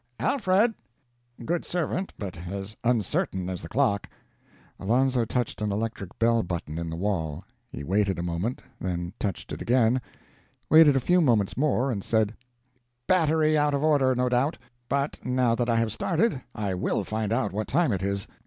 "Alfred!... Good servant, but as uncertain as the clock." Alonzo touched an electric bell button in the wall. He waited a moment, then touched it again; waited a few moments more, and said: "Battery out of order, no doubt. But now that I have started, I will find out what time it is."